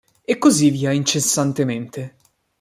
E così via incessantemente.